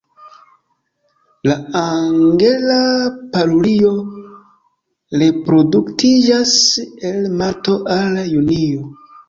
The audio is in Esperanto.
La Angela parulio reproduktiĝas el marto al junio.